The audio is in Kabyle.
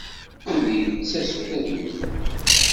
Ur d-yettas ula d yiwen.